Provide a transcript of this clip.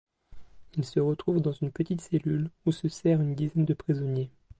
Il se retrouve dans une petite cellule où se serrent une dizaine de prisonniers.